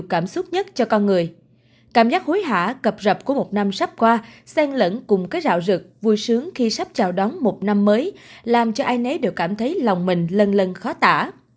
cảm giác hối hả cập rập của một năm sắp qua sen lẫn cùng cái rạo rực vui sướng khi sắp chào đón một năm mới làm cho ai nấy đều cảm thấy lòng mình lần lần khó tả